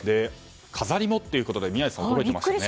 飾りもということで宮司さん、ビックリしましたね。